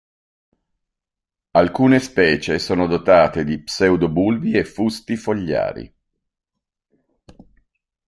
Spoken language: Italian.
Alcune specie sono dotate di pseudobulbi e fusti fogliari.